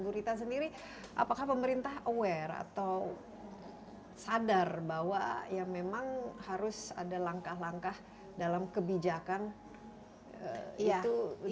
bu rita sendiri apakah pemerintah aware atau sadar bahwa ya memang harus ada langkah langkah dalam kebijakan itu